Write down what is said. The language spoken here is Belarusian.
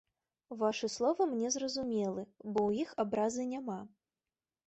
Вашы словы мне зразумелы, бо ў іх абразы няма.